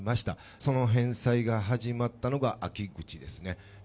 その返済が始まったのが秋口ですね。